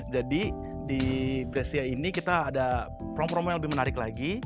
jadi di brescia ini kita ada promo promo yang lebih menarik lagi